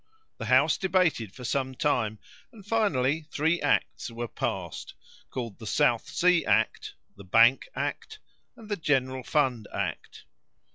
The house debated for some time, and finally three acts were passed, called the South Sea Act, the Bank Act, and the General Fund Act.